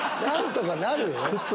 何とかなる？